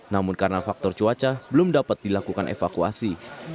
namun karena faktor cuaca belum dapat dilakukan evakuasi